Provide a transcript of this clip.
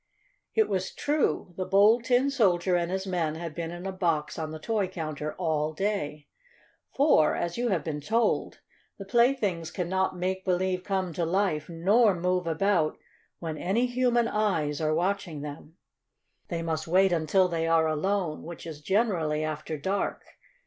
It was true; the Bold Tin Soldier and his men had been in a box on the toy counter all day. For, as you have been told, the playthings cannot make believe come to life nor move about when any human eyes are watching them. They must wait until they are alone, which is generally after dark.